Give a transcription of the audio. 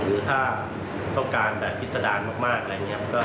หรือถ้าต้องการแบบพิษดารมากอะไรอย่างนี้